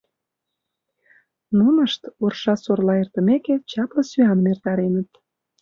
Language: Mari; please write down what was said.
Нунышт, уржа-сорла эртымеке, чапле сӱаным эртареныт.